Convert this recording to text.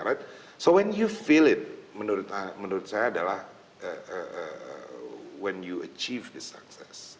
jadi ketika anda merasakannya menurut saya adalah ketika anda mencapai sukses